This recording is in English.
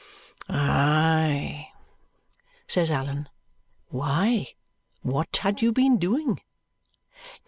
"Aye!" says Allan. "Why, what had you been doing?"